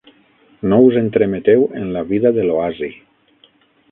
No us entremeteu en la vida de l'oasi.